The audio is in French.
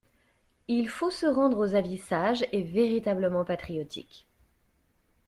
Il faut se rendre aux avis sages et véritablement patriotiques.